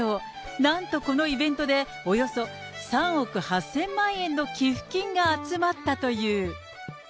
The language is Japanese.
なんとこのイベントで、およそ３億８０００万円の寄付金が集まったという。